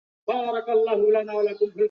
তবে তুমি তার ব্যতিক্রম।